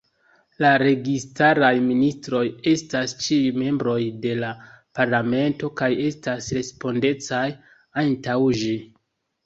La registaraj ministroj estas ĉiuj membroj de la Parlamento, kaj estas respondecaj antaŭ ĝi.